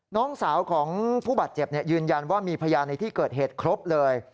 น้องสาวของผู้บาดเจ็บยืนยันว่ามีพยานในที่เกิดเหตุครบเลย